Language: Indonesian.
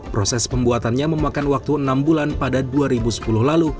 proses pembuatannya memakan waktu enam bulan pada dua ribu sepuluh lalu